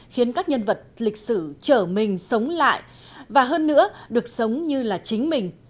khiến các nhân vật lịch sử trở mình sống lại và hơn nữa được sống như là chính mình